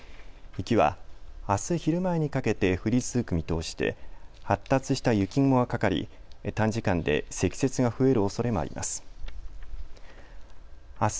雪はあす昼前にかけて降り続く見通しで発達した雪雲がかかり短時間で積雪が増えるおそれもあります。